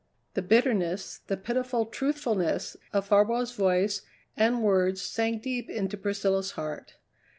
The bitterness, the pitiful truthfulness, of Farwell's voice and words sank deep into Priscilla's heart.